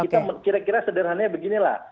kita kira kira sederhananya beginilah